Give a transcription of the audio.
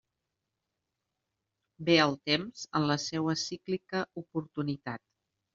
Ve el temps en la seua cíclica oportunitat.